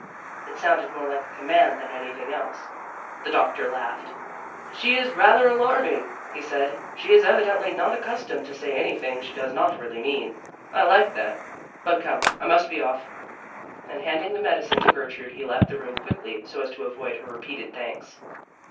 It sounded more like a command than anything else. The doctor laughed. "She is rather alarming," he said, "she is evidently not accustomed to say anything she does not really mean. I like that. But come, I must be off," and handing the medicine to Gertrude he left the room quickly so as to avoid her repeated thanks.